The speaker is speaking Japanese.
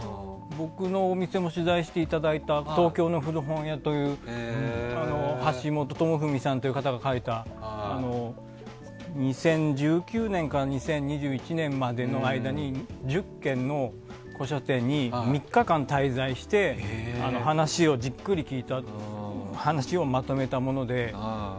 僕のお店も取材していただいた「東京の古本屋」という橋本倫史さんという方が書いた２０１９年から２０２１年までの間に１０軒の古書店に３日間滞在してじっくり聞いた話をまとめたもので。